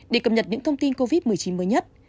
để cập nhật những thông tin covid một mươi chín mới nhất